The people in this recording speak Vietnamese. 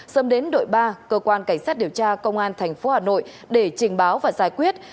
sớm đến đội ba cơ quan cảnh sát điều tra công an tp hà nội để trình báo và giải quyết